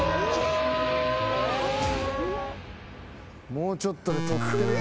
もうちょっとで取ってるで。